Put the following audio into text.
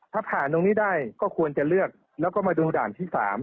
ถ้าผ่านตรงนี้ได้ก็ควรจะเลือกแล้วก็มาดูด่านที่๓